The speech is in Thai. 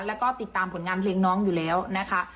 แล้วก็ติดตามผลงานเพลงน้องอยู่แล้วนะคะ